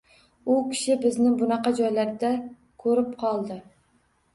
U kishi bizni bunaqa joylarda koʻrib qoldi.